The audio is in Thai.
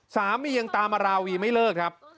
สามียังตามมาราวีไม่เลิกครับ